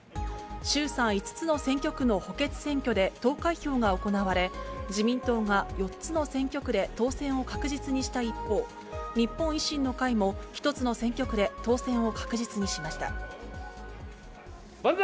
衆参５つの選挙区の補欠選挙で、投開票が行われ、自民党が４つの選挙区で当選を確実にした一方、日本維新の会も１つの選挙区で当選を確実にしました。